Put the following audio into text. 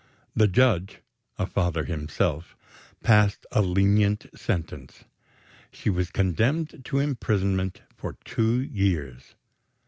The judge (a father himself) passed a lenient sentence. She was condemned to imprisonment for two years.